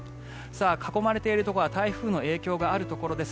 囲まれているところは台風の影響があるところです。